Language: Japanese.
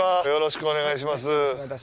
よろしくお願いします。